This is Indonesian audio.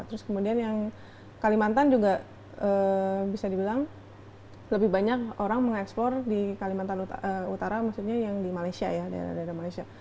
terus kemudian yang kalimantan juga bisa dibilang lebih banyak orang mengeksplor di kalimantan utara maksudnya yang di malaysia